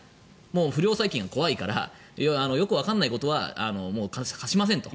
不良債権が怖いからよくわからないところは貸しませんと。